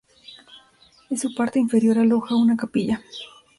En su parte inferior aloja una capilla.